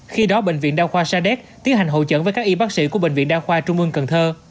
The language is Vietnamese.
khi đó bệnh viện đa khoa sadek tiến hành hộ trận với các y bác sĩ của bệnh viện đa khoa trung mương cần thơ